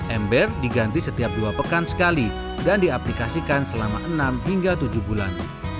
ember diganti setiap dua pekan sekali dan diaplikasikan selama enam hingga tujuh bulan